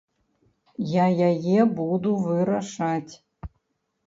Я яе буду вырашаць.